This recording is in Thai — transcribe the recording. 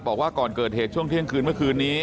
บอกว่าก่อนเกิดเหตุช่วงเที่ยงคืนเมื่อคืนนี้